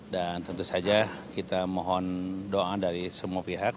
dan tentu saja kita mohon doa dari semua pihak